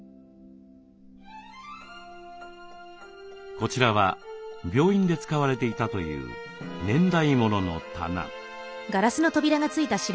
こちらは病院で使われていたという年代ものの棚。